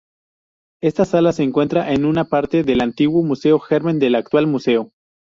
Esta sala se encuentra en una parte del antiguo museo, germen del actual museo.